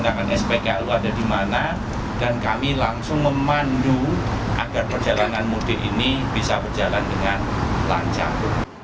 jadi charging menggunakan spklu ada di mana dan kami langsung memandu agar perjalanan mudik ini bisa berjalan dengan lancar